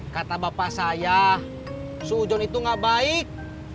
kata bapak saya sujon itu gak baik